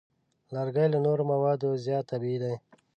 لرګی له نورو موادو زیات طبیعي دی.